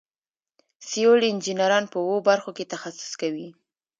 سیول انجینران په اوو برخو کې تخصص کوي.